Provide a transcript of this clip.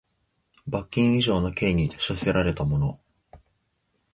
罰金以上の刑に処せられた者